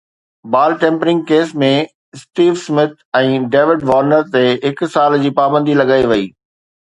بال tampering case ۾ Steve Smith ۽ David Warner تي هڪ سال جي پابندي لڳائي وئي